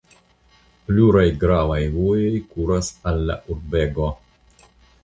Pluraj gravaj vojoj kuras al la urbego.